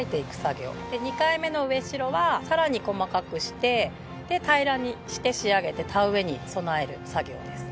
で２回目の植代はさらに細かくして平らにして仕上げて田植えに備える作業です。